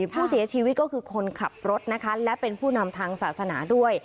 ผู้เสียชีวิตก็คือคนขับรถนะคะและเป็นผู้นำทางศาสนาด้วย